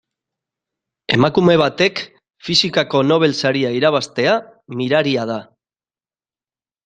Emakume batek fisikako Nobel saria irabaztea miraria da.